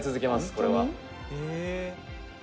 これは」